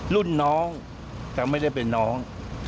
รุ่นน้องจะไม่ได้เป็นน้อง